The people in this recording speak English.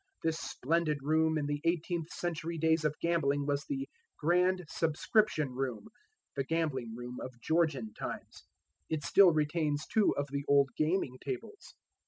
This splendid room in the eighteenth century days of gambling was the "Grand Subscription Room" the gambling room of Georgian times. It still retains two of the old gaming tables.